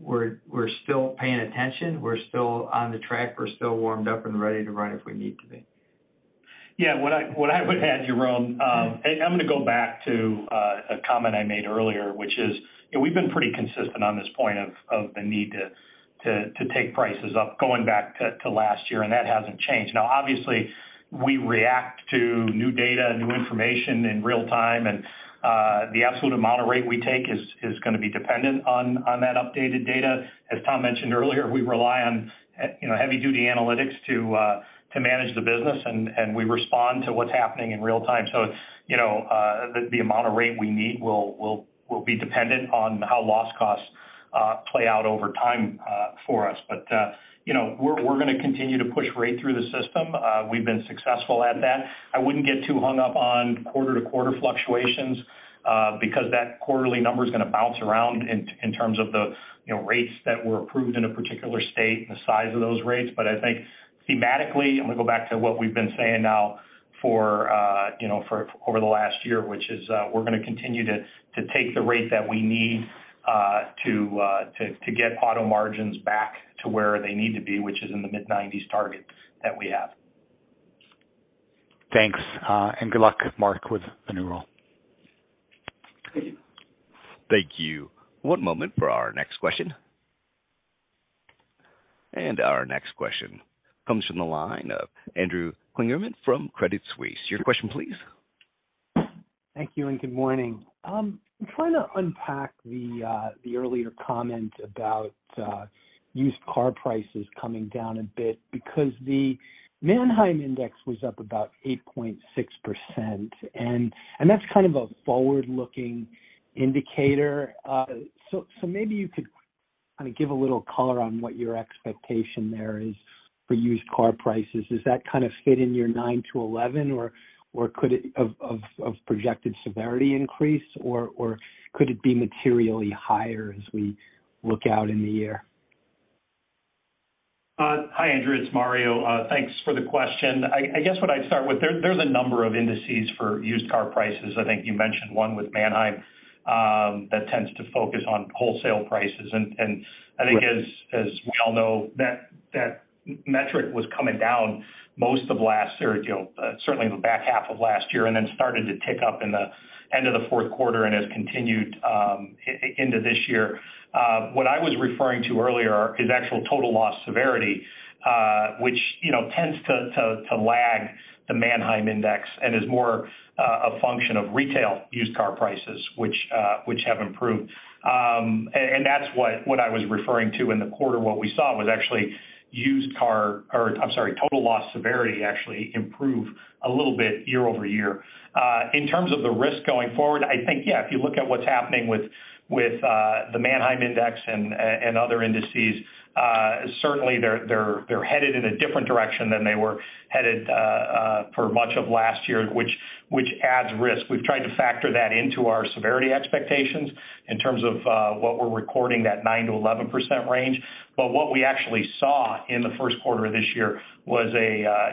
we're still paying attention. We're still on the track. We're still warmed up and ready to run if we need to be. Yeah. What I would add, Yaron, I'm gonna go back to a comment I made earlier, which is, you know, we've been pretty consistent on this point of the need to take prices up going back to last year. That hasn't changed. Now, obviously, we react to new data, new information in real time, and the absolute amount of rate we take is gonna be dependent on that updated data. As Tom mentioned earlier, we rely on, you know, heavy duty analytics to manage the business, and we respond to what's happening in real time. You know, the amount of rate we need will be dependent on how loss costs play out over time for us. You know, we're gonna continue to push rate through the system. We've been successful at that. I wouldn't get too hung up on quarter-to-quarter fluctuations, because that quarterly number is gonna bounce around in terms of the, you know, rates that were approved in a particular state and the size of those rates. I think thematically, I'm gonna go back to what we've been saying now for, you know, for over the last year, which is, we're gonna continue to take the rate that we need to get auto margins back to where they need to be, which is in the mid-nineties targets that we have. Thanks. Good luck, Mark, with the new role. Thank you. Thank you. One moment for our next question. Our next question comes from the line of Andrew Kligerman from Credit Suisse. Your question, please. Thank you, and good morning. I'm trying to unpack the earlier comment about used car prices coming down a bit because the Manheim Index was up about 8.6%, and that's kind of a forward-looking indicator. Maybe you could kind of give a little color on what your expectation there is for used car prices. Does that kind of fit in your 9%-11%, or could it... Of projected severity increase or could it be materially higher as we look out in the year? Hi, Andrew. It's Mario. Thanks for the question. I guess what I'd start with, there's a number of indices for used car prices. I think you mentioned one with Manheim that tends to focus on wholesale prices. I think as we all know, that metric was coming down most of last year, you know, certainly in the back half of last year, and then started to tick up in the end of the Q4 and has continued into this year. What I was referring to earlier is actual total loss severity, which, you know, tends to lag the Manheim index and is more a function of retail used car prices which have improved. That's what I was referring to in the quarter. What we saw was actually used car or, I'm sorry, total loss severity actually improve a little bit year-over-year. In terms of the risk going forward, I think, yeah, if you look at what's happening with the Manheim index and other indices, certainly they're headed in a different direction than they were headed for much of last year, which adds risk. We've tried to factor that into our severity expectations in terms of what we're recording that 9%-11% range. What we actually saw in the Q1 of this year was,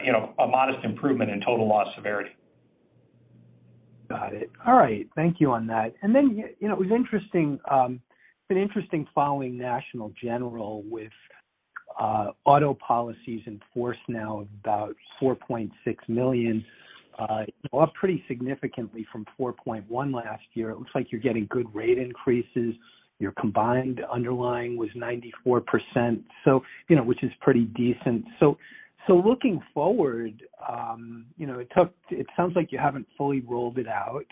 you know, a modest improvement in total loss severity. Got it. All right. Thank you on that. You know, it was interesting, been interesting following National General with auto policies in force now about 4.6 million, up pretty significantly from 4.1 last year. It looks like you're getting good rate increases. Your combined underlying was 94%, so, you know, which is pretty decent. Looking forward, you know, it sounds like you haven't fully rolled it out.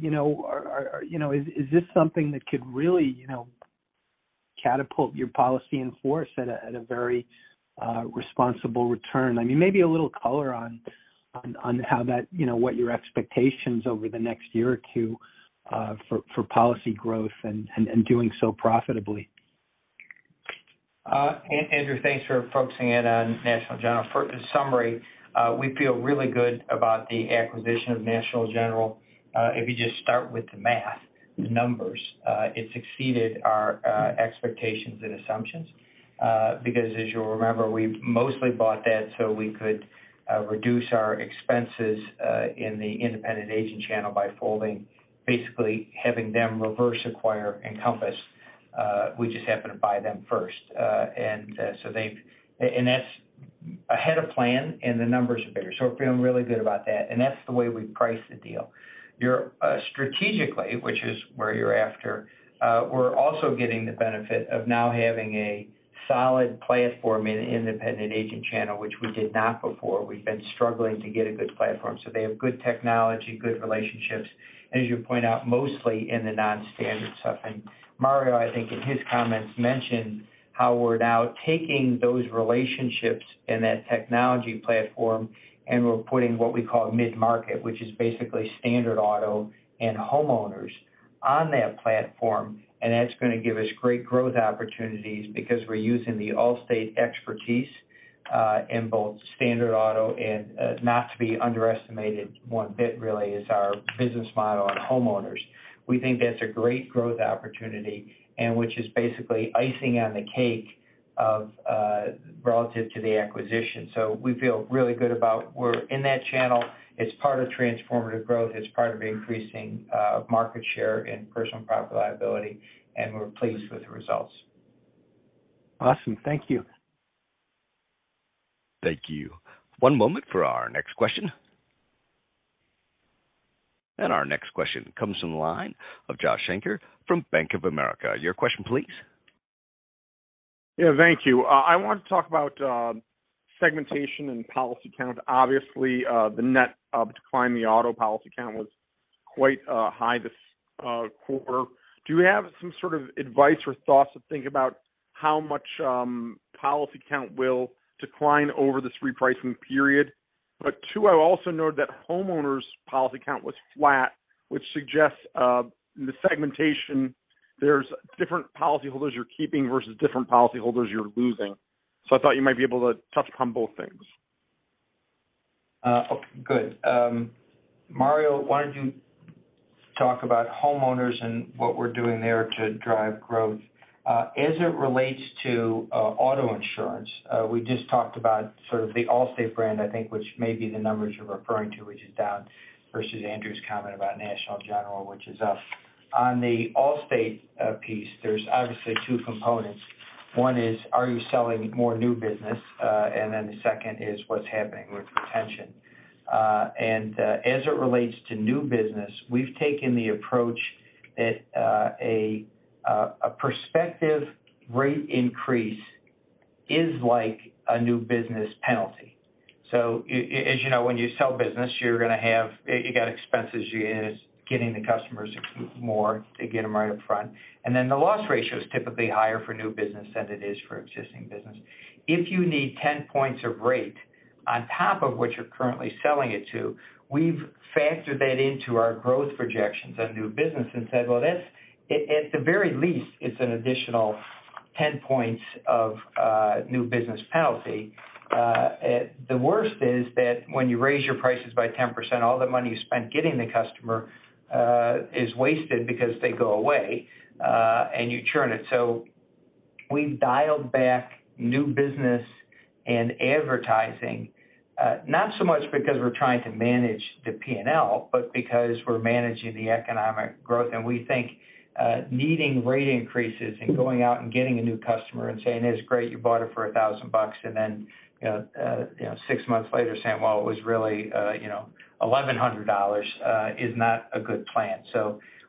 You know, is this something that could really, you know, catapult your policy in force at a very responsible return? I mean, maybe a little color on how that, you know, what your expectations over the next year or two, for policy growth and doing so profitably? Uh, Andrew, thanks for focusing in on National General. For summary, uh, we feel really good about the acquisition of National General. Uh, if you just start with the math, the numbers, uh, it's exceeded our, uh, expectations and assumptions, uh, because as you'll remember, we mostly bought that so we could, uh, reduce our expenses, uh, in the independent agent channel by folding, basically having them reverse acquire Encompass. Uh, we just happened to buy them first. Uh, and, uh, so they've-- And that's ahead of plan, and the numbers are better. So we're feeling really good about that, and that's the way we priced the deal. You're strategically, which is where you're after, uh, we're also getting the benefit of now having a solid platform in independent agent channel, which we did not before. We've been struggling to get a good platform. They have good technology, good relationships, as you point out, mostly in the non-standard stuff. Mario, I think, in his comments, mentioned how we're now taking those relationships and that technology platform, and we're putting what we call mid-market, which is basically standard auto and homeowners on that platform. That's gonna give us great growth opportunities because we're using the Allstate expertise in both standard auto and not to be underestimated one bit really is our business model on homeowners. We think that's a great growth opportunity and which is basically icing on the cake of relative to the acquisition. We feel really good about we're in that channel. It's part of Transformative Growth. It's part of increasing market share in personal property-liability, and we're pleased with the results. Awesome. Thank you. Thank you. One moment for our next question. Our next question comes from the line of Josh Shanker from Bank of America. Your question, please. Yeah, thank you. I want to talk about segmentation and policy count. Obviously, the net decline in the auto policy count was quite high this quarter. Do you have some sort of advice or thoughts to think about how much policy count will decline over this repricing period? Two, I also note that homeowners policy count was flat, which suggests the segmentation, there's different policyholders you're keeping versus different policyholders you're losing. I thought you might be able to touch upon both things. Good. Mario, why don't you talk about homeowners and what we're doing there to drive growth? As it relates to Auto Insurance, we just talked about sort of the Allstate brand, I think, which may be the numbers you're referring to, which is down versus Andrew's comment about National General, which is up. On the Allstate piece, there's obviously two components. One is, are you selling more new business? The second is, what's happening with retention? As it relates to new business, we've taken the approach that a prospective rate increase is like a new business penalty. As you know, when you sell business, you got expenses, is getting the customers more to get them right up front. The loss ratio is typically higher for new business than it is for existing business. If you need 10 points of rate on top of what you're currently selling it to, we've factored that into our growth projections on new business and said, well, that's at the very least, it's an additional 10 points of new business penalty. The worst is that when you raise your prices by 10%, all the money you spent getting the customer is wasted because they go away and you churn it. We've dialed back new business and advertising, not so much because we're trying to manage the P&L, but because we're managing the economic growth. We think, needing rate increases and going out and getting a new customer and saying, "It's great, you bought it for $1,000," and then, six months later saying, "Well, it was really, $1,100," is not a good plan.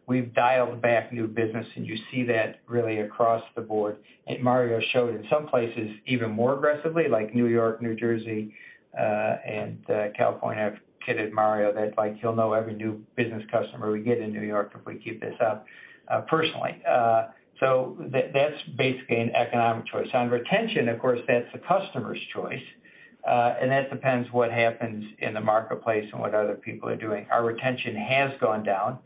We've dialed back new business, and you see that really across the board. Mario showed in some places even more aggressively, like New York, New Jersey, and California. I've kidded Mario that, he'll know every new business customer we get in New York if we keep this up, personally. That's basically an economic choice. On retention, of course, that's the customer's choice, and that depends what happens in the marketplace and what other people are doing. Our retention has gone down.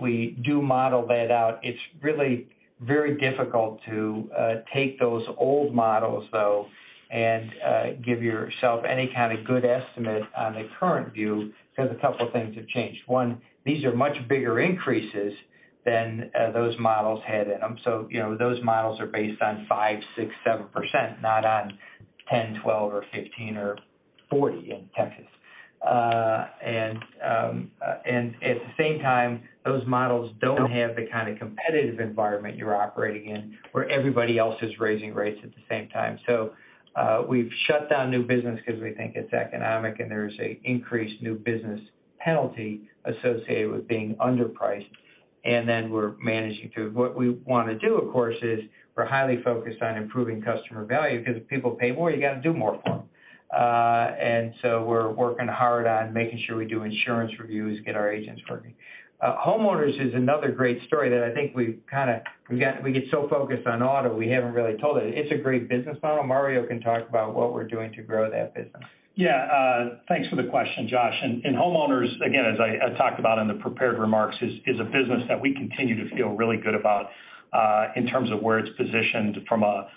We do model that out. It's really very difficult to take those old models, though, and give yourself any kind of good estimate on the current view because a couple of things have changed. One, these are much bigger increases than those models had in them. You know, those models are based on 5%, 6%, 7%, not on 10%, 12% or 15% or 40% in Texas. At the same time, those models don't have the kind of competitive environment you're operating in, where everybody else is raising rates at the same time. We've shut down new business because we think it's economic and there's an increased new business penalty associated with being underpriced. Then we're managing through. What we want to do, of course, is we're highly focused on improving customer value because if people pay more, you got to do more for them. We're working hard on making sure we do insurance reviews, get our agents working. homeowners is another great story that I think we get so focused on auto, we haven't really told it. It's a great business model. Mario can talk about what we're doing to grow that business. Yeah, thanks for the question, Josh. Homeowners, again, as I talked about in the prepared remarks, is a business that we continue to feel really good about in terms of where it's positioned from a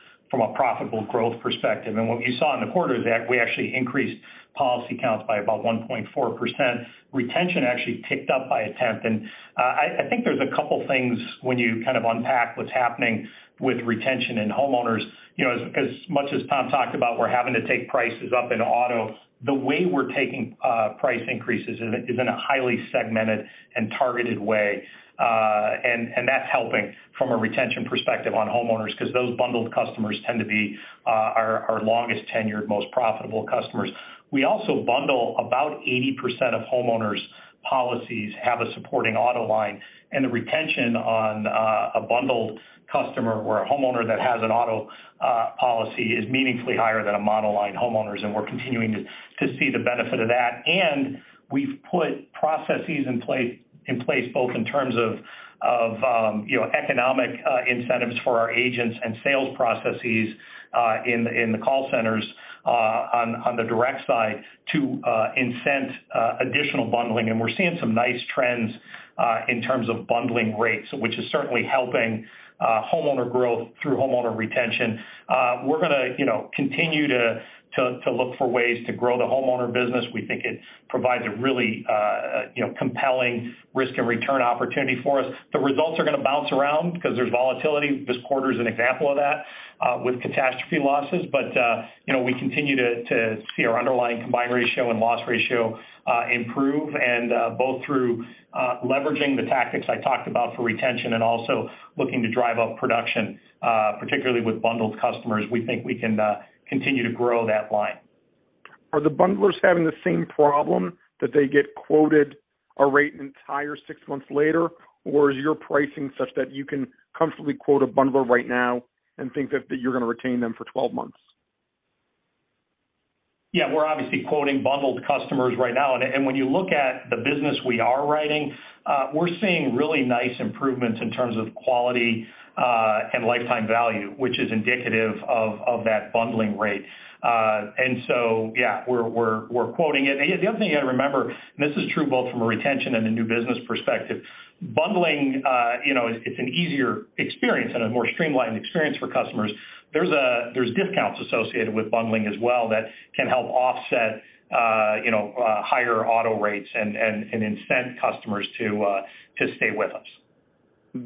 profitable growth perspective. What you saw in the quarter is that we actually increased policy counts by about 1.4%. Retention actually ticked up by 0.1%. I think there's a couple things when you kind of unpack what's happening with retention in homeowners. You know, as much as Tom talked about, we're having to take prices up in auto, the way we're taking price increases is in a highly segmented and targeted way. That's helping from a retention perspective on homeowners 'cause those bundled customers tend to be our longest tenured, most profitable customers. We also bundle. About 80% of homeowners policies have a supporting auto line, and the retention on a bundled customer or a homeowner that has an auto policy is meaningfully higher than a monoline homeowners, and we're continuing to see the benefit of that. We've put processes in place both in terms of, you know, economic incentives for our agents and sales processes in the call centers on the direct side to incent additional bundling. We're seeing some nice trends in terms of bundling rates, which is certainly helping homeowner growth through homeowner retention. We're gonna, you know, continue to look for ways to grow the homeowner business. We think it provides a really, you know, compelling risk and return opportunity for us. The results are gonna bounce around because there's volatility. This quarter is an example of that, with catastrophe losses. You know, we continue to see our underlying combined ratio and loss ratio improve and both through leveraging the tactics I talked about for retention and also looking to drive up production, particularly with bundled customers. We think we can continue to grow that line. Are the bundlers having the same problem that they get quoted a rate and it's higher six months later? Or is your pricing such that you can comfortably quote a bundler right now and think that you're gonna retain them for 12 months? Yeah, we're obviously quoting bundled customers right now. When you look at the business we are writing, we're seeing really nice improvements in terms of quality, and lifetime value, which is indicative of that bundling rate. Yeah, we're quoting it. The other thing you gotta remember, and this is true both from a retention and a new business perspective, bundling, you know, it's an easier experience and a more streamlined experience for customers. There's discounts associated with bundling as well that can help offset, you know, higher auto rates and incent customers to stay with us.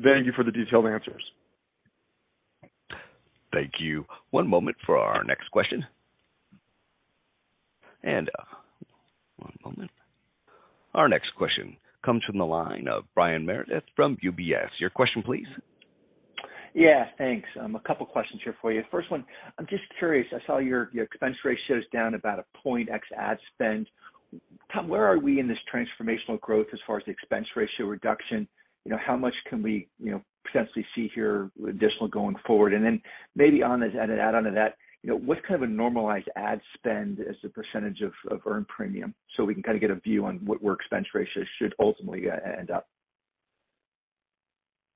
Thank you for the detailed answers. Thank you. One moment for our next question. One moment. Our next question comes from the line of Brian Meredith from UBS. Your question, please. Thanks. A couple questions here for you. First one, I'm just curious, I saw your expense ratio's down about one point ex ad spend. Tom, where are we in this Transformative Growth as far as the expense ratio reduction? You know, how much can we, you know, potentially see here additional going forward? Maybe on to add onto that, you know, what's kind of a normalized ad spend as a percentage of earned premium so we can kind of get a view on what, where expense ratios should ultimately end up?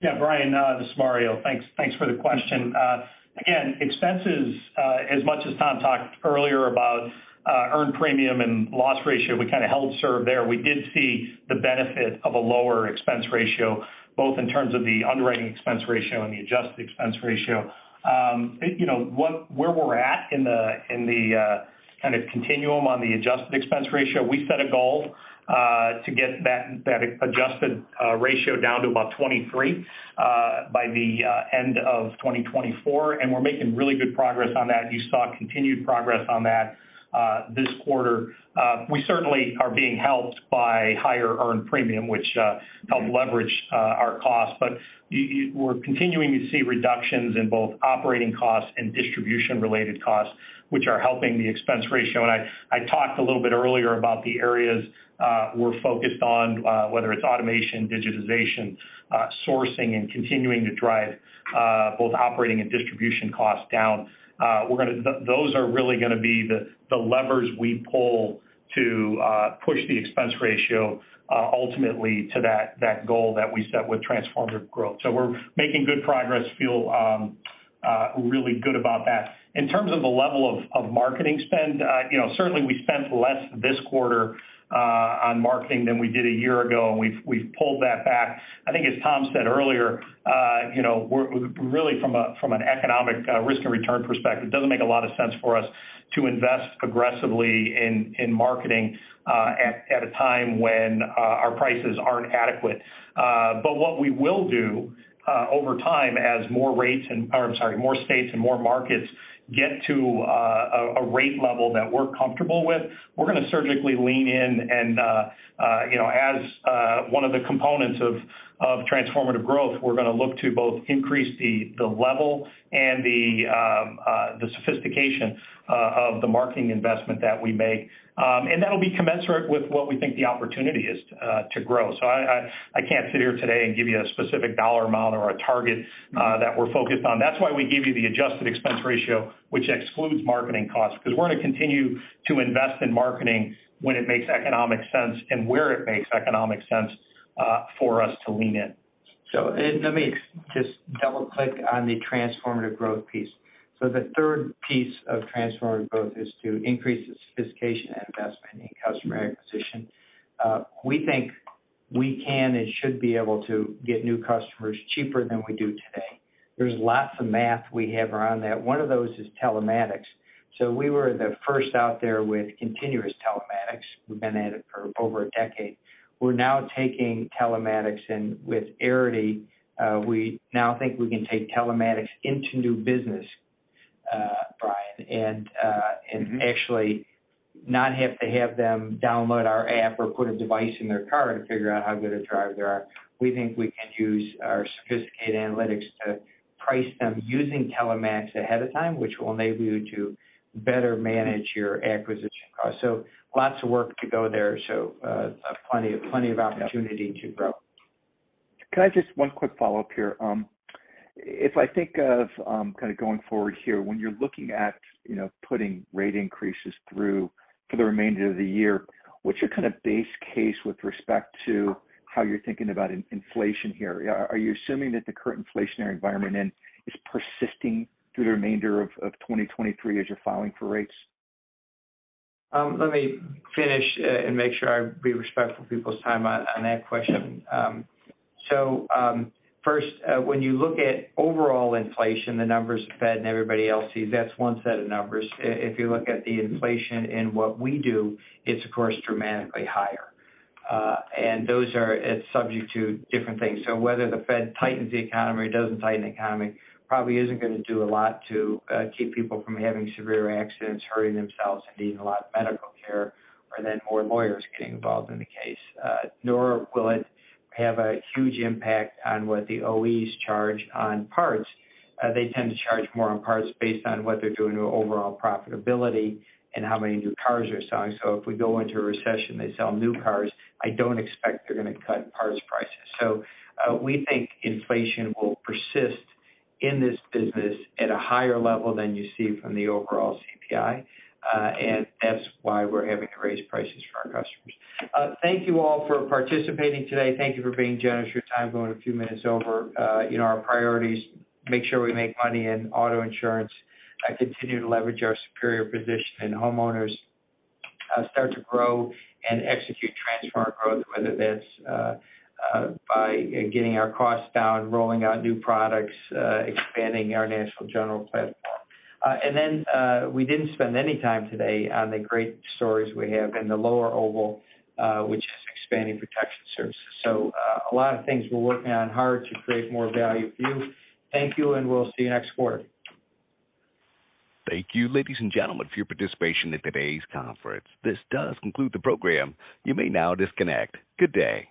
Yeah, Brian, this is Mario. Thanks for the question. Again, expenses, as much as Tom talked earlier about earned premium and loss ratio, we kind of held serve there. We did see the benefit of a lower expense ratio, both in terms of the underwriting expense ratio and the adjusted expense ratio. you know, where we're at in the kind of continuum on the adjusted expense ratio, we set a goal to get that adjusted ratio down to about 23 by the end of 2024, and we're making really good progress on that. You saw continued progress on that this quarter. We certainly are being helped by higher earned premium, which helped leverage our costs. We're continuing to see reductions in both operating costs and distribution related costs, which are helping the expense ratio. I talked a little bit earlier about the areas we're focused on, whether it's automation, digitization, sourcing, and continuing to drive both operating and distribution costs down. Those are really gonna be the levers we pull to push the expense ratio ultimately to that goal that we set with Transformative Growth. We're making good progress, feel really good about that. In terms of the level of marketing spend, you know, certainly we spent less this quarter on marketing than we did a year ago, and we've pulled that back. I think as Tom said earlier, you know, we're really from an economic risk and return perspective, doesn't make a lot of sense for us to invest aggressively in marketing at a time when our prices aren't adequate. What we will do, over time as more rates or I'm sorry, more states and more markets get to a rate level that we're comfortable with, we're gonna surgically lean in and, you know, as one of the components of Transformative Growth, we're gonna look to both increase the level and the sophistication of the marketing investment that we make. That'll be commensurate with what we think the opportunity is to grow. I can't sit here today and give you a specific dollar amount or a target that we're focused on. That's why we give you the adjusted expense ratio, which excludes marketing costs. 'Cause we're gonna continue to invest in marketing when it makes economic sense and where it makes economic sense for us to lean in. Let me just double click on the Transformative Growth piece. The third piece of Transformative Growth is to increase the sophistication and investment in customer acquisition. We think we can and should be able to get new customers cheaper than we do today. There's lots of math we have around that. One of those is telematics. We were the first out there with continuous telematics. We've been at it for over a decade. We're now taking telematics in with Arity, we now think we can take telematics into new business, Brian, and actually not have to have them download our app or put a device in their car to figure out how good a driver they are. We think we can use our sophisticated analytics to price them using telematics ahead of time, which will enable you to better manage your acquisition costs. Lots of work to go there. Plenty of opportunity to grow. Can I just. One quick follow-up here. If I think of, kind of going forward here, when you're looking at, you know, putting rate increases through for the remainder of the year, what's your kind of base case with respect to how you're thinking about inflation here? Are you assuming that the current inflationary environment then is persisting through the remainder of 2023 as you're filing for rates? Let me finish and make sure I be respectful of people's time on that question. First, when you look at overall inflation, the numbers Fed and everybody else sees, that's one set of numbers. If you look at the inflation in what we do, it's of course dramatically higher. It's subject to different things. Whether the Fed tightens the economy or doesn't tighten the economy probably isn't gonna do a lot to keep people from having severe accidents, hurting themselves, and needing a lot of medical care, or then more lawyers getting involved in the case. Nor will it have a huge impact on what the OEs charge on parts. They tend to charge more on parts based on what they're doing to overall profitability and how many new cars they're selling. If we go into a recession, they sell new cars, I don't expect they're gonna cut parts prices. We think inflation will persist in this business at a higher level than you see from the overall CPI, and that's why we're having to raise prices for our customers. Thank you all for participating today. Thank you for being generous with your time, going a few minutes over. You know, our priorities, make sure we make money in Auto Insurance, continue to leverage our superior position in homeowners, start to grow and execute Transformative Growth, whether that's by getting our costs down, rolling out new products, expanding our National General platform. We didn't spend any time today on the great stories we have in the lower oval, which is expanding Protection Services. A lot of things we're working on hard to create more value for you. Thank you, and we'll see you next quarter. Thank you, ladies and gentlemen, for your participation in today's conference. This does conclude the program. You may now disconnect. Good day.